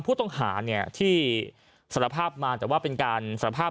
ผู้ต้องหาเนี่ยที่สารภาพมาแต่ว่าเป็นการสารภาพ